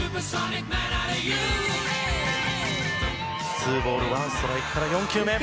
ツーボールワンストライクから４球目。